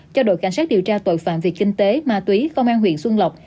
cho đội cảnh sát điều tra tội phạm về kinh tế ma túy công an huyện xuân lộc